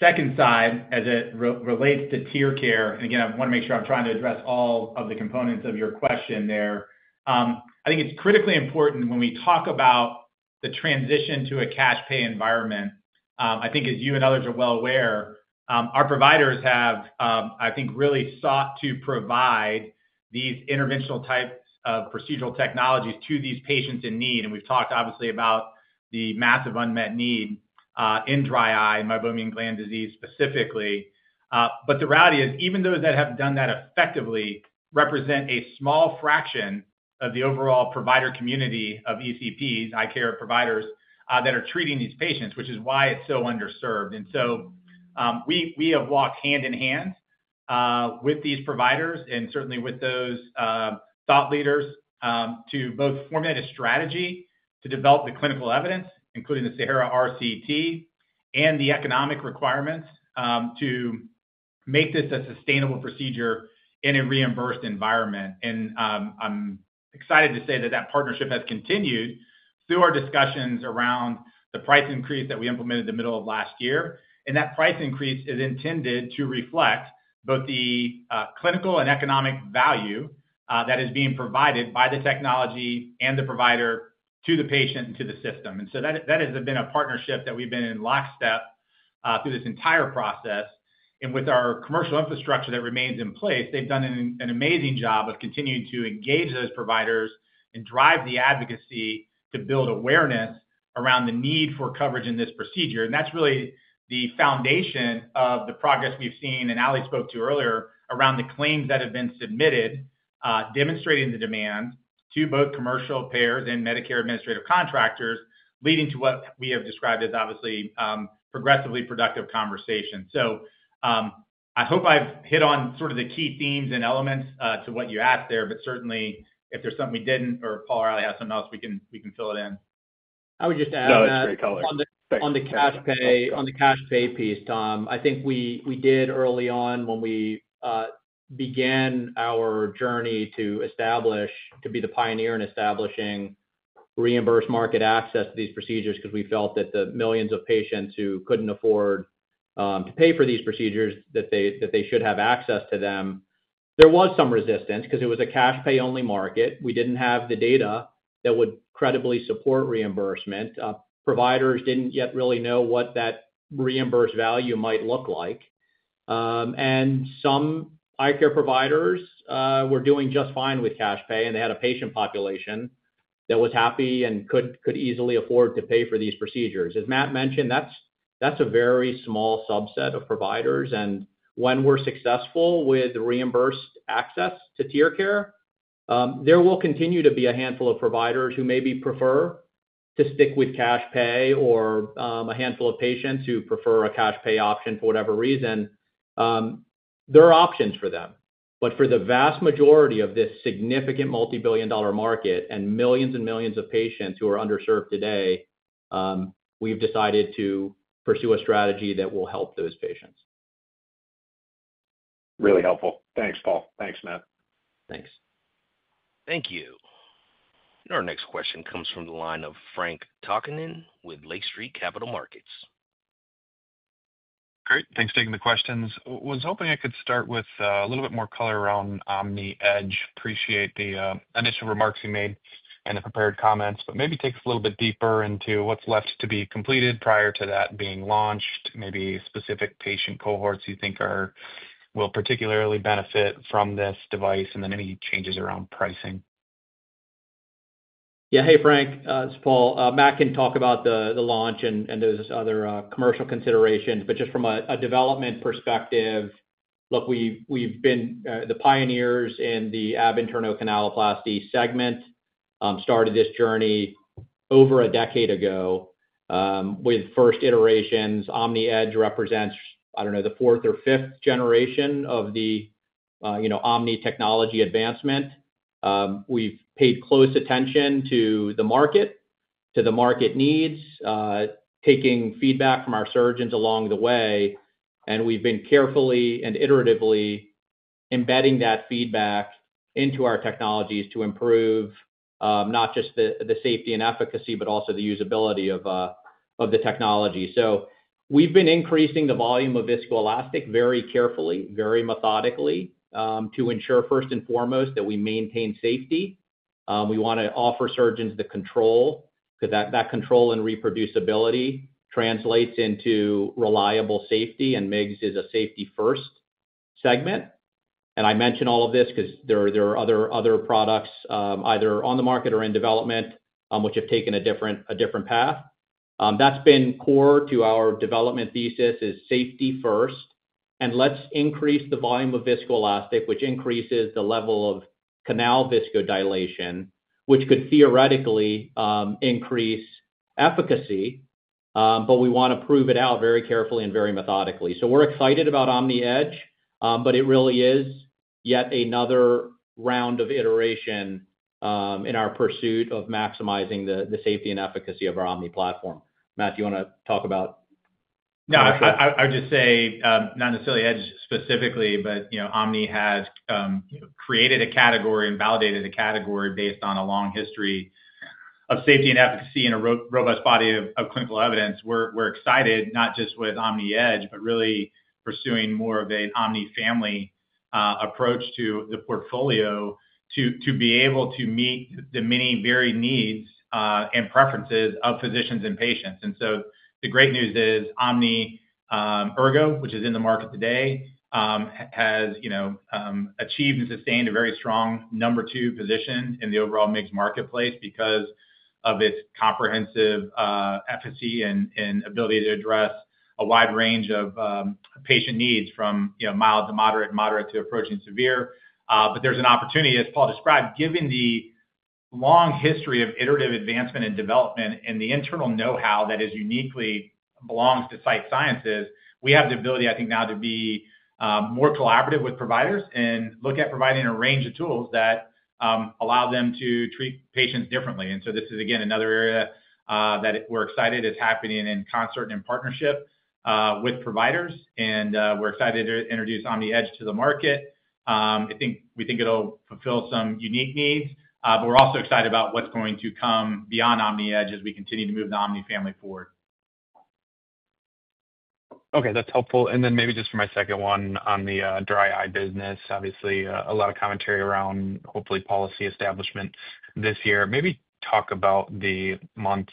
second side, as it relates to TearCare, and again, I want to make sure I am trying to address all of the components of your question there. I think it is critically important when we talk about the transition to a cash pay environment. I think, as you and others are well aware, our providers have, I think, really sought to provide these interventional types of procedural technologies to these patients in need. We've talked, obviously, about the massive unmet need in dry eye, meibomian gland disease specifically. The reality is, even those that have done that effectively represent a small fraction of the overall provider community of ECPs, eye care providers that are treating these patients, which is why it's so underserved. We have walked hand in hand with these providers and certainly with those thought leaders to both formulate a strategy to develop the clinical evidence, including the SAHARA RCT, and the economic requirements to make this a sustainable procedure in a reimbursed environment. I'm excited to say that that partnership has continued through our discussions around the price increase that we implemented the middle of last year. That price increase is intended to reflect both the clinical and economic value that is being provided by the technology and the provider to the patient and to the system. That has been a partnership that we've been in lockstep through this entire process. With our commercial infrastructure that remains in place, they've done an amazing job of continuing to engage those providers and drive the advocacy to build awareness around the need for coverage in this procedure. That is really the foundation of the progress we have seen, and Ali spoke to earlier, around the claims that have been submitted, demonstrating the demand to both commercial payers and Medicare administrative contractors, leading to what we have described as obviously progressively productive conversation. I hope I have hit on sort of the key themes and elements to what you asked there. Certainly, if there is something we did not or Paul or Ali has something else, we can fill it in. I would just add that on the cash pay piece, Tom, I think we did early on when we began our journey to establish, to be the pioneer in establishing reimbursed market access to these procedures because we felt that the millions of patients who could not afford to pay for these procedures, that they should have access to them. There was some resistance because it was a cash pay-only market. We didn't have the data that would credibly support reimbursement. Providers didn't yet really know what that reimbursed value might look like. Some eye care providers were doing just fine with cash pay, and they had a patient population that was happy and could easily afford to pay for these procedures. As Matt mentioned, that's a very small subset of providers. When we're successful with reimbursed access to TearCare, there will continue to be a handful of providers who maybe prefer to stick with cash pay or a handful of patients who prefer a cash pay option for whatever reason. There are options for them. For the vast majority of this significant multibillion-dollar market and millions and millions of patients who are underserved today, we've decided to pursue a strategy that will help those patients. Really helpful. Thanks, Paul. Thanks, Matt. Thank you. Our next question comes from the line of Frank Takkinen with Lake Street Capital Markets. Great. Thanks for taking the questions. I was hoping I could start with a little bit more color around OMNI Edge. Appreciate the initial remarks you made and the prepared comments. Maybe take us a little bit deeper into what's left to be completed prior to that being launched, maybe specific patient cohorts you think will particularly benefit from this device, and then any changes around pricing. Yeah. Hey, Frank, this is Paul. Matt can talk about the launch and those other commercial considerations. Just from a development perspective, look, we've been the pioneers in the ab interno canaloplasty segment, started this journey over a decade ago with first iterations. OMNI Edge represents, I don't know, the fourth or fifth generation of the OMNI technology advancement. We've paid close attention to the market, to the market needs, taking feedback from our surgeons along the way. We've been carefully and iteratively embedding that feedback into our technologies to improve not just the safety and efficacy, but also the usability of the technology. We've been increasing the volume of viscoelastic very carefully, very methodically to ensure, first and foremost, that we maintain safety. We want to offer surgeons the control because that control and reproducibility translates into reliable safety, and MIGS is a safety-first segment. I mention all of this because there are other products either on the market or in development which have taken a different path. That's been core to our development thesis is safety-first. Let's increase the volume of viscoelastic, which increases the level of canal viscodilation, which could theoretically increase efficacy. We want to prove it out very carefully and very methodically. We're excited about OMNI Edge, but it really is yet another round of iteration in our pursuit of maximizing the safety and efficacy of our OMNI platform. Matt, do you want to talk about? No, I would just say not necessarily Edge specifically, but OMNI has created a category and validated a category based on a long history of safety and efficacy and a robust body of clinical evidence. We're excited not just with OMNI Edge, but really pursuing more of an OMNI family approach to the portfolio to be able to meet the many varied needs and preferences of physicians and patients. The great news is OMNI Ergo, which is in the market today, has achieved and sustained a very strong number two position in the overall MIGS marketplace because of its comprehensive efficacy and ability to address a wide range of patient needs from mild to moderate, moderate to approaching severe. There is an opportunity, as Paul described, given the long history of iterative advancement and development and the internal know-how that uniquely belongs to Sight Sciences. We have the ability, I think, now to be more collaborative with providers and look at providing a range of tools that allow them to treat patients differently. This is, again, another area that we're excited is happening in concert and in partnership with providers. We're excited to introduce OMNI Edge to the market. I think we think it'll fulfill some unique needs. We are also excited about what is going to come beyond OMNI Edge as we continue to move the OMNI family forward. Okay. That is helpful. Maybe just for my second one on the dry eye business, obviously, a lot of commentary around hopefully policy establishment this year. Maybe talk about the months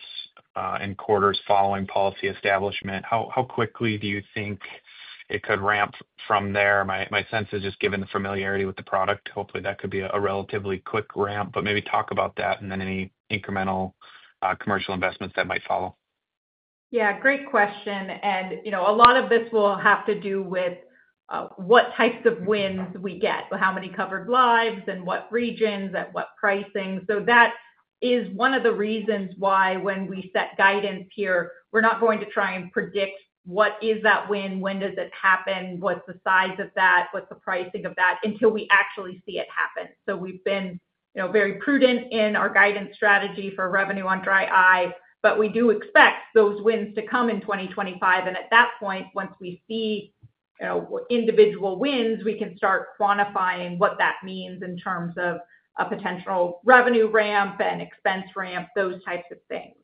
and quarters following policy establishment. How quickly do you think it could ramp from there? My sense is just given the familiarity with the product, hopefully that could be a relatively quick ramp. Maybe talk about that and then any incremental commercial investments that might follow. Yeah. Great question. A lot of this will have to do with what types of wins we get, how many covered lives, and what regions, at what pricing. That is one of the reasons why when we set guidance here, we're not going to try and predict what is that win, when does it happen, what's the size of that, what's the pricing of that until we actually see it happen. We have been very prudent in our guidance strategy for revenue on dry eye. We do expect those wins to come in 2025. At that point, once we see individual wins, we can start quantifying what that means in terms of a potential revenue ramp and expense ramp, those types of things.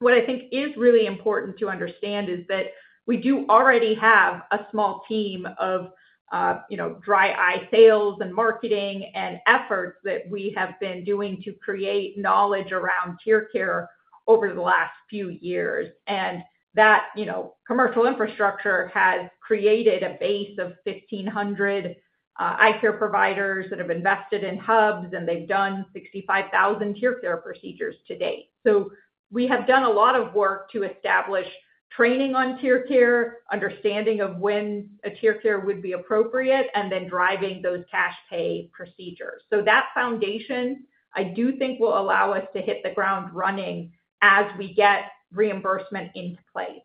What I think is really important to understand is that we do already have a small team of dry eye sales and marketing and efforts that we have been doing to create knowledge around TearCare over the last few years. That commercial infrastructure has created a base of 1,500 eye care providers that have invested in hubs, and they have done 65,000 TearCare procedures to date. We have done a lot of work to establish training on TearCare, understanding of when a TearCare would be appropriate, and then driving those cash pay procedures. That foundation, I do think, will allow us to hit the ground running as we get reimbursement into place.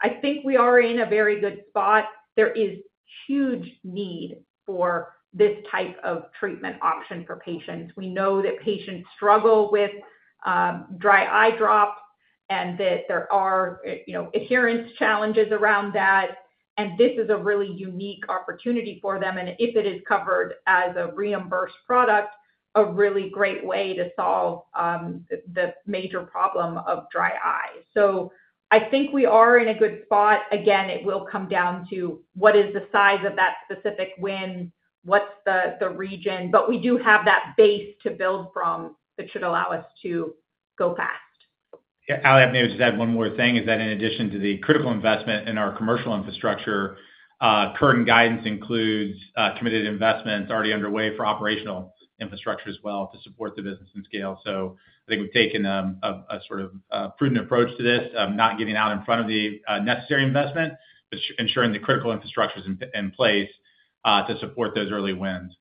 I think we are in a very good spot. There is huge need for this type of treatment option for patients. We know that patients struggle with dry eye drops and that there are adherence challenges around that. This is a really unique opportunity for them. If it is covered as a reimbursed product, it is a really great way to solve the major problem of dry eye. I think we are in a good spot. Again, it will come down to what is the size of that specific win, what's the region. We do have that base to build from that should allow us to go fast. Yeah. I'll maybe just add one more thing is that in addition to the critical investment in our commercial infrastructure, current guidance includes committed investments already underway for operational infrastructure as well to support the business and scale. I think we've taken a sort of prudent approach to this, not getting out in front of the necessary investment, but ensuring the critical infrastructure is in place to support those early wins.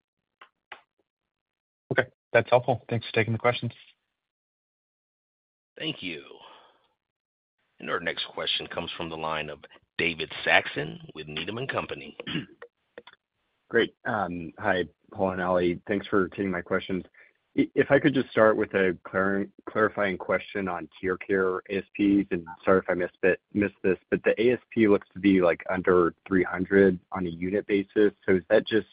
Okay. That's helpful. Thanks for taking the questions. Thank you. Our next question comes from the line of David Saxon with Needham & Company. Great. Hi, Paul and Ali. Thanks for taking my questions. If I could just start with a clarifying question on TearCare ASPs, and sorry if I missed this, but the ASP looks to be under $300 on a unit basis. Is that just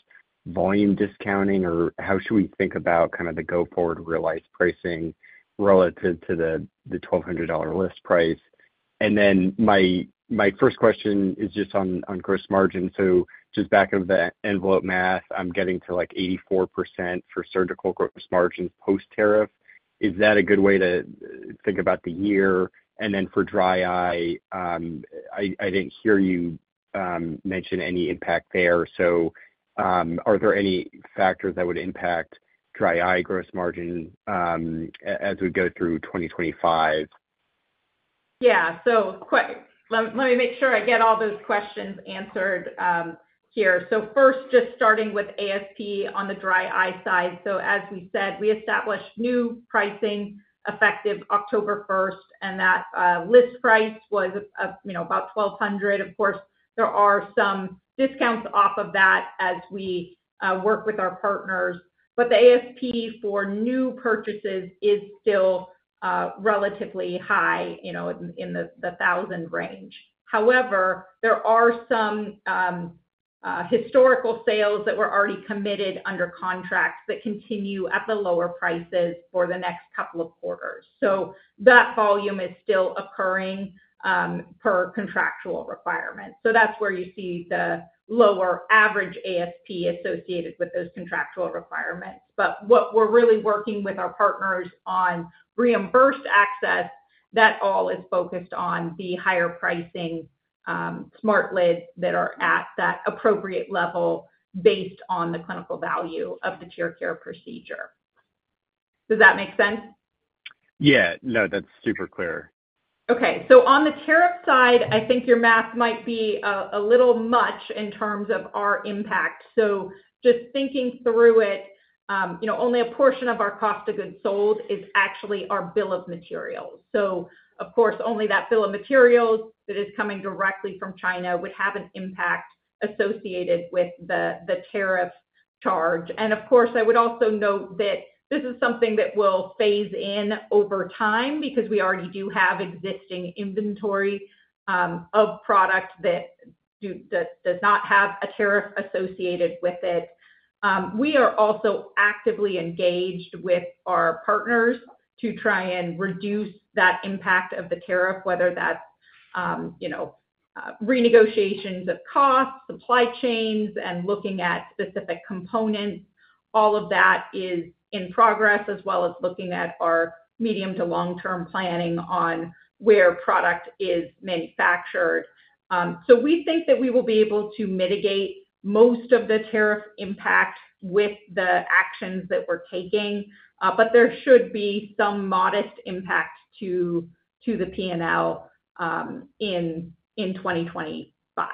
volume discounting, or how should we think about kind of the go-forward realized pricing relative to the $1,200 list price? My first question is just on gross margin. Just back of the envelope math, I'm getting to 84% for surgical gross margins post-tariff. Is that a good way to think about the year? For dry eye, I did not hear you mention any impact there. Are there any factors that would impact dry eye gross margin as we go through 2025? Yeah. Let me make sure I get all those questions answered here. First, just starting with ASP on the dry eye side. As we said, we established new pricing effective October 1st, and that list price was about $1,200. Of course, there are some discounts off of that as we work with our partners. The ASP for new purchases is still relatively high in the $1,000 range. However, there are some historical sales that were already committed under contract that continue at the lower prices for the next couple of quarters. That volume is still occurring per contractual requirement. That is where you see the lower average ASP associated with those contractual requirements. What we are really working with our partners on is reimbursed access, and that all is focused on the higher pricing SmartLids that are at that appropriate level based on the clinical value of the TearCare procedure. Does that make sense? Yeah. No, that is super clear. Okay. On the tariff side, I think your math might be a little much in terms of our impact. Just thinking through it, only a portion of our cost of goods sold is actually our bill of materials. Of course, only that bill of materials that is coming directly from China would have an impact associated with the tariff charge. I would also note that this is something that will phase in over time because we already do have existing inventory of product that does not have a tariff associated with it. We are also actively engaged with our partners to try and reduce that impact of the tariff, whether that's renegotiations of costs, supply chains, and looking at specific components. All of that is in progress as well as looking at our medium to long-term planning on where product is manufactured. We think that we will be able to mitigate most of the tariff impact with the actions that we're taking. There should be some modest impact to the P&L in 2025.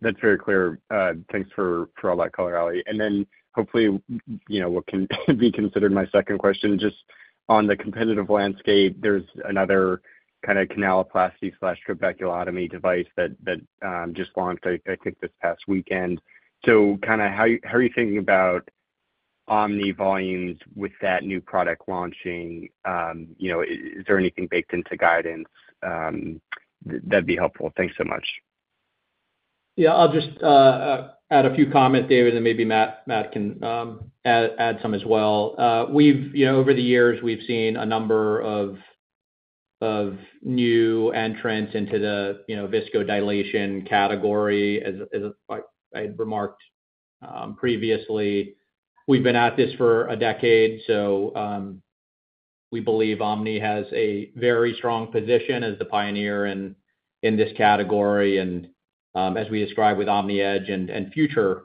That's very clear. Thanks for all that color, Ali. Hopefully what can be considered my second question, just on the competitive landscape, there's another kind of canaloplasty/trabeculotomy device that just launched, I think, this past weekend. How are you thinking about OMNI volumes with that new product launching? Is there anything baked into guidance that'd be helpful? Thanks so much. I'll just add a few comments, David, and maybe Matt can add some as well. Over the years, we've seen a number of new entrants into the viscodilation category, as I had remarked previously. We've been at this for a decade. We believe OMNI has a very strong position as the pioneer in this category. As we described with OMNI Edge and future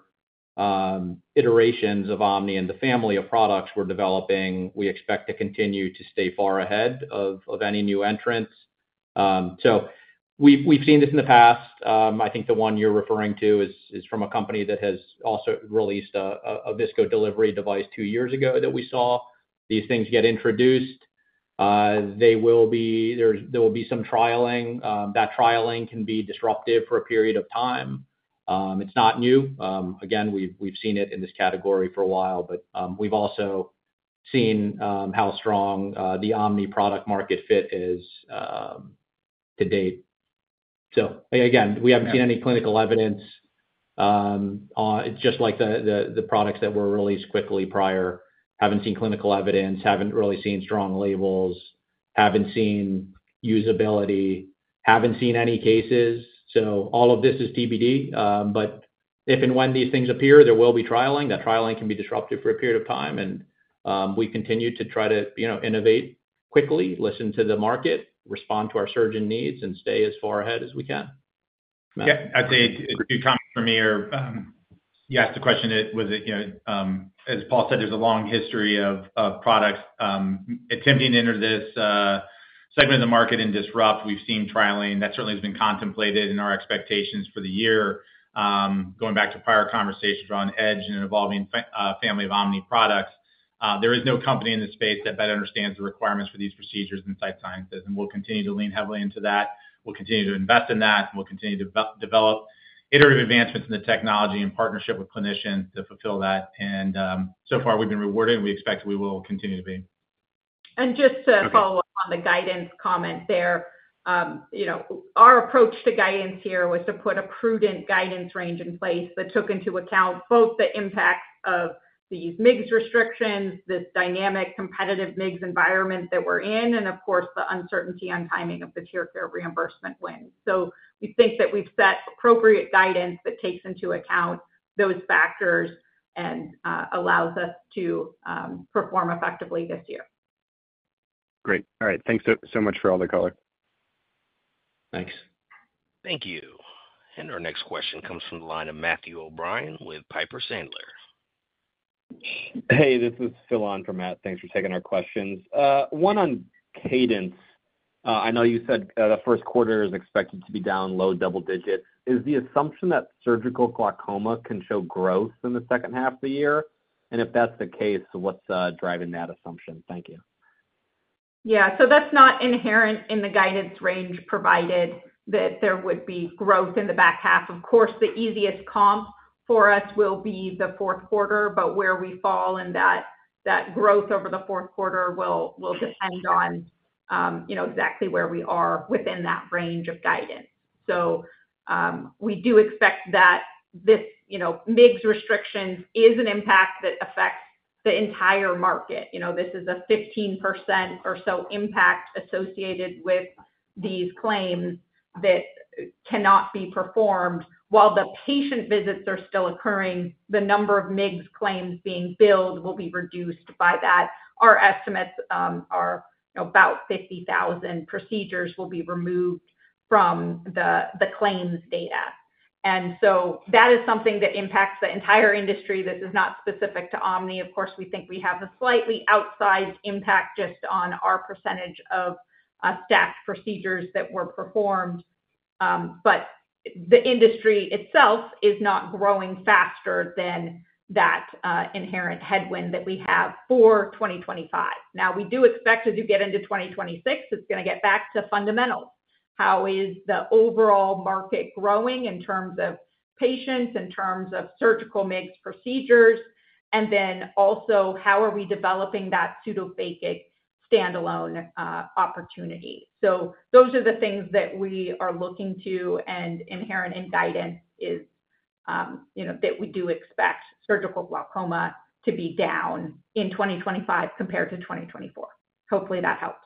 iterations of OMNI and the family of products we're developing, we expect to continue to stay far ahead of any new entrants. We've seen this in the past. I think the one you're referring to is from a company that has also released a visco delivery device two years ago that we saw. These things get introduced. There will be some trialing. That trialing can be disruptive for a period of time. It's not new. We've seen it in this category for a while. We've also seen how strong the OMNI product market fit is to date. We haven't seen any clinical evidence. It's just like the products that were released quickly prior. Haven't seen clinical evidence. Haven't really seen strong labels. Haven't seen usability. Haven't seen any cases. All of this is TBD. If and when these things appear, there will be trialing. That trialing can be disruptive for a period of time. We continue to try to innovate quickly, listen to the market, respond to our surgeon needs, and stay as far ahead as we can. Yeah. I'd say a few comments from here. You asked the question, was it, as Paul said, there's a long history of products attempting to enter this segment of the market and disrupt. We've seen trialing. That certainly has been contemplated in our expectations for the year. Going back to prior conversations around Edge and an evolving family of OMNI products, there is no company in this space that better understands the requirements for these procedures than Sight Sciences. We will continue to lean heavily into that. We will continue to invest in that. We will continue to develop iterative advancements in the technology in partnership with clinicians to fulfill that. So far, we have been rewarded. We expect we will continue to be. Just to follow up on the guidance comment there, our approach to guidance here was to put a prudent guidance range in place that took into account both the impact of these MIGS restrictions, this dynamic competitive MIGS environment that we are in, and, of course, the uncertainty on timing of the TearCare reimbursement win. We think that we have set appropriate guidance that takes into account those factors and allows us to perform effectively this year. Great. All right. Thanks so much for all the color. Thanks. Thank you. Our next question comes from the line of Matthew O'Brien with Piper Sandler. Hey, this is Phil on from Matt. Thanks for taking our questions. One on cadence. I know you said the first quarter is expected to be down low double digits. Is the assumption that surgical glaucoma can show growth in the second half of the year? If that's the case, what's driving that assumption? Thank you. Yeah. That's not inherent in the guidance range provided that there would be growth in the back half. Of course, the easiest comp for us will be the fourth quarter. Where we fall in that growth over the fourth quarter will depend on exactly where we are within that range of guidance. We do expect that this MIGS restriction is an impact that affects the entire market. This is a 15% or so impact associated with these claims that cannot be performed. While the patient visits are still occurring, the number of MIGS claims being billed will be reduced by that. Our estimates are about 50,000 procedures will be removed from the claims data. That is something that impacts the entire industry. This is not specific to OMNI. Of course, we think we have a slightly outsized impact just on our percentage of stacked procedures that were performed. The industry itself is not growing faster than that inherent headwind that we have for 2025. Now, we do expect as you get into 2026, it's going to get back to fundamentals. How is the overall market growing in terms of patients, in terms of surgical MIGS procedures, and then also how are we developing that pseudophakic standalone opportunity? Those are the things that we are looking to and inherent in guidance is that we do expect surgical glaucoma to be down in 2025 compared to 2024. Hopefully, that helps.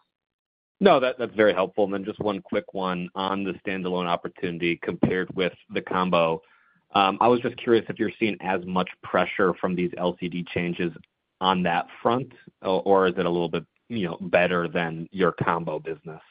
No, that's very helpful. And then just one quick one on the standalone opportunity compared with the combo. I was just curious if you're seeing as much pressure from these LCD changes on that front, or is it a little bit better than your combo business?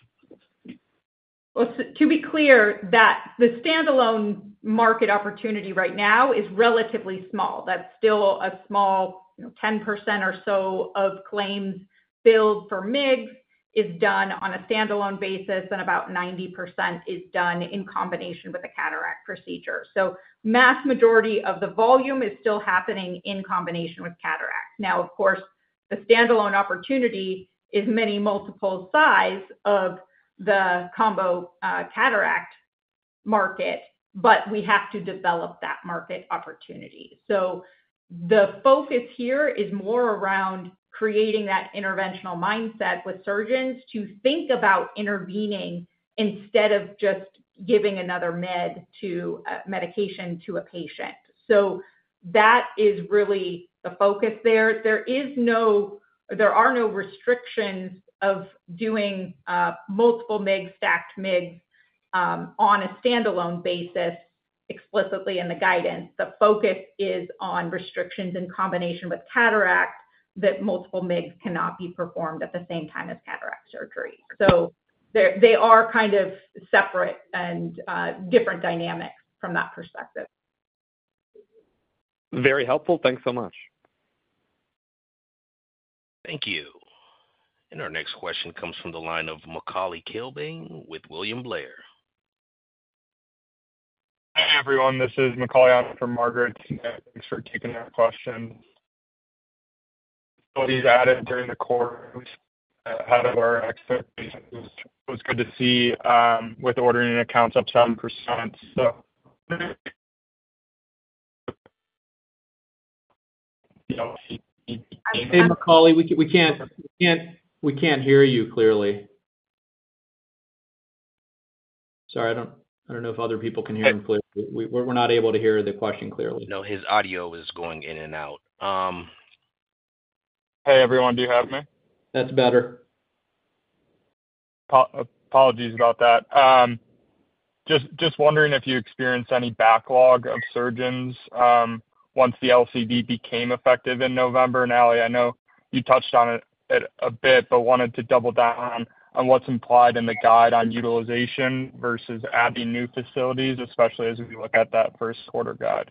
To be clear, the standalone market opportunity right now is relatively small. That's still a small 10% or so of claims billed for MIGS is done on a standalone basis, and about 90% is done in combination with a cataract procedure. The vast majority of the volume is still happening in combination with cataracts. Now, of course, the standalone opportunity is many multiple size of the combo cataract market, but we have to develop that market opportunity. The focus here is more around creating that interventional mindset with surgeons to think about intervening instead of just giving another medication to a patient. That is really the focus there. There are no restrictions of doing multiple MIGS, stacked MIGS on a standalone basis explicitly in the guidance. The focus is on restrictions in combination with cataract that multiple MIGS cannot be performed at the same time as cataract surgery. They are kind of separate and different dynamics from that perspective. Very helpful. Thanks so much. Thank you. Our next question comes from the line of Macauley Kilbane with William Blair. Hi, everyone. This is Macauley from Margaret's. Thanks for taking our question. [audio distortion] Hey, Macauley, we can't hear you clearly. Sorry, I don't know if other people can hear him clearly. We're not able to hear the question clearly. No, his audio was going in and out. Hey, everyone, do you have me? That's better. Apologies about that. Just wondering if you experienced any backlog of surgeons once the LCD became effective in November. And Ali, I know you touched on it a bit, but wanted to double down on what's implied in the guide on utilization versus adding new facilities, especially as we look at that first quarter guide.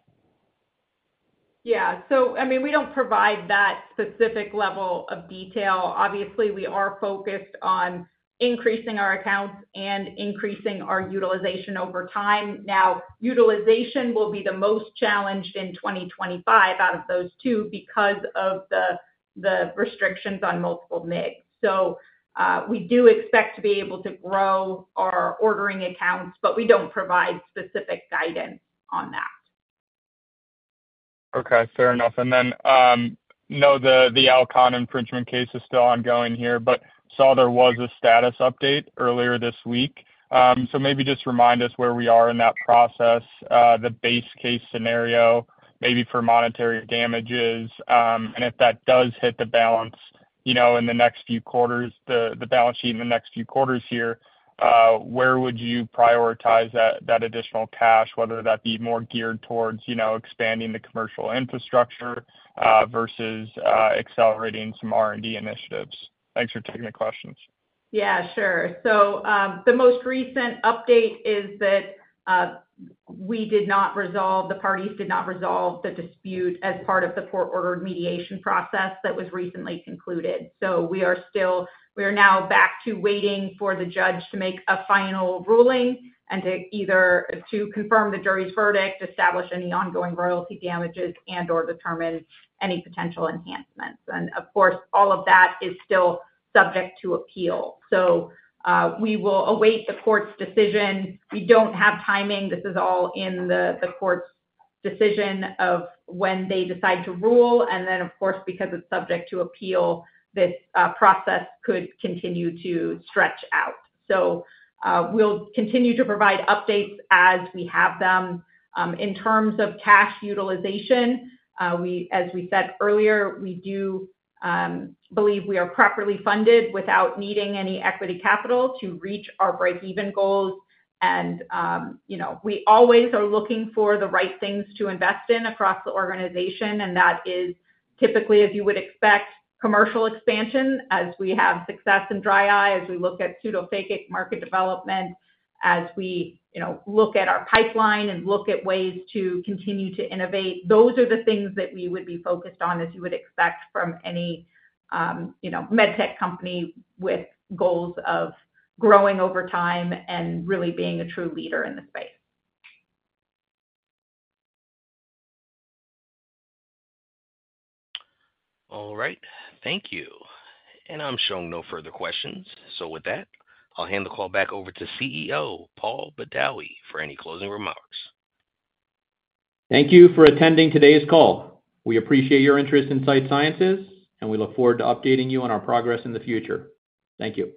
Yeah. I mean, we don't provide that specific level of detail. Obviously, we are focused on increasing our accounts and increasing our utilization over time. Now, utilization will be the most challenged in 2025 out of those two because of the restrictions on multiple MIGS. We do expect to be able to grow our ordering accounts, but we do not provide specific guidance on that. Okay. Fair enough. No, the Alcon infringement case is still ongoing here, but saw there was a status update earlier this week. Maybe just remind us where we are in that process, the base case scenario, maybe for monetary damages. If that does hit the balance sheet in the next few quarters here, where would you prioritize that additional cash, whether that be more geared towards expanding the commercial infrastructure versus accelerating some R&D initiatives? Thanks for taking the questions. Yeah, sure. The most recent update is that we did not resolve, the parties did not resolve the dispute as part of the court-ordered mediation process that was recently concluded. We are now back to waiting for the judge to make a final ruling and to either confirm the jury's verdict, establish any ongoing royalty damages, and/or determine any potential enhancements. Of course, all of that is still subject to appeal. We will await the court's decision. We do not have timing. This is all in the court's decision of when they decide to rule. Of course, because it is subject to appeal, this process could continue to stretch out. We will continue to provide updates as we have them. In terms of cash utilization, as we said earlier, we do believe we are properly funded without needing any equity capital to reach our break-even goals. We always are looking for the right things to invest in across the organization. That is typically, as you would expect, commercial expansion as we have success in dry eye, as we look at pseudophakic market development, as we look at our pipeline and look at ways to continue to innovate. Those are the things that we would be focused on, as you would expect from any med tech company with goals of growing over time and really being a true leader in the space. All right. Thank you. I'm showing no further questions. With that, I'll hand the call back over to CEO Paul Badawi for any closing remarks. Thank you for attending today's call. We appreciate your interest in Sight Sciences, and we look forward to updating you on our progress in the future. Thank you.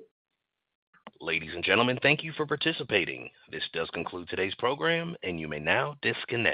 Ladies and gentlemen, thank you for participating. This does conclude today's program, and you may now disconnect.